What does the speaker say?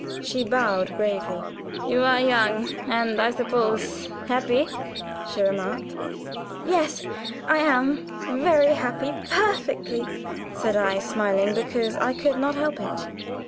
She bowed gravely. "You are young, and, I suppose, happy?" she remarked. "Yes, I am very happy perfectly," said I, smiling, because I could not help it.